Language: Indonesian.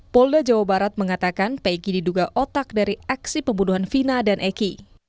polda jawa barat mengatakan pegg diduga otak dari aksi pembunuhan vina dan eki